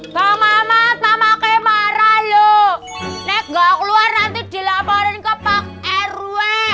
sama sama sama kemarah yuk enggak keluar nanti dilaporin ke pak rw